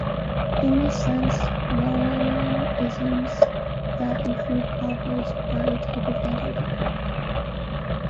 In this sense, wellerisms that include proverbs are a type of anti-proverb.